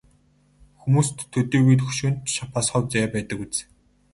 Хүмүүст төдийгүй хөшөөнд ч бас хувь заяа байдаг биз.